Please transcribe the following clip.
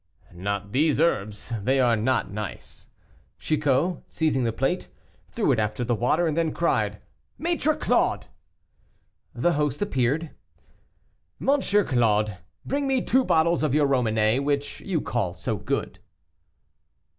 "Not these herbs, they are not nice." Chicot, seizing the plate, threw it after the water, and then cried, "Maître Claude." The host appeared. "M. Claude, bring me two bottles of your Romanée, which you call so good."